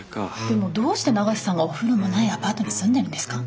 でもどうして永瀬さんがお風呂もないアパートに住んでるんですか？